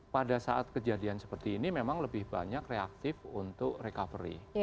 pada saat kejadian seperti ini memang lebih banyak reaktif untuk recovery